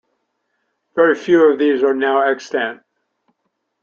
Very few of these are now extant.